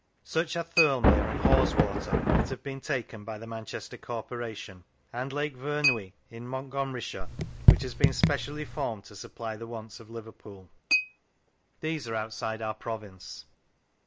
Such are Thirlmere and Haweswater that have been taken by the Manchester Corporation, and Lake Vyrnwy in Montgomeryshire, which has been specially formed to supply the wants of Liverpool. These are outside our province.